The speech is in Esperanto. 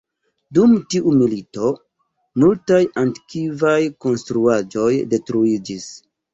Dum tiu milito multaj antikvaj konstruaĵoj detruiĝis.